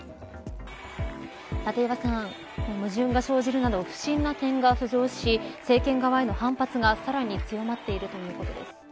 立岩さん、矛盾が生じるなど不審な点が浮上し政権側への反発がさらに強まっていることです。